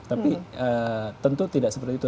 tapi tentu tidak seperti itu